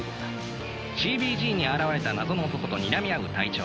ＣＢＧに現れた謎の男とにらみ合う隊長。